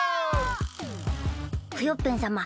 クヨッペンさま